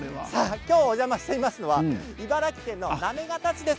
今日お邪魔しているのは茨城県行方市です。